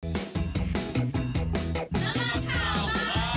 นักรับข่าวบ้านเมือง